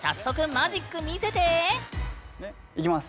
いきます。